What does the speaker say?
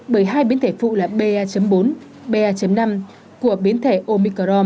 bởi hai biến thể phụ là pa bốn pa năm của biến thể omicron